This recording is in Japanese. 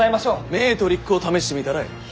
メートリックを試してみたらええ！